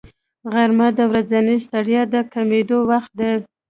غرمه د ورځنۍ ستړیا د کمېدو وخت دی